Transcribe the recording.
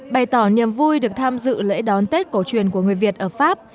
bày tỏ niềm vui được tham dự lễ đón tết cổ truyền của người việt ở pháp